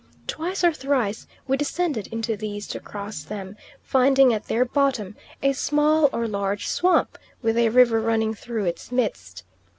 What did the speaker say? Twice or thrice we descended into these to cross them, finding at their bottom a small or large swamp with a river running through its midst.